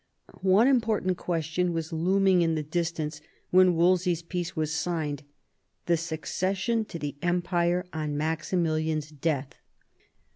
One important question was looming in the distance when Wolsey's peace was signed, — the succession to the empire on Maximilian's death.